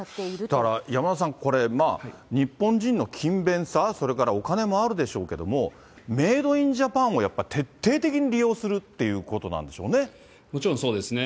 だから山田さん、これまあ、日本人の勤勉さ、それからお金もあるでしょうけれども、メードインジャパンをやっぱり徹底的に利用するということなんでもちろんそうですね。